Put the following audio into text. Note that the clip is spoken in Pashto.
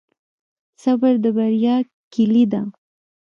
صبر د بریا کیلي ده؟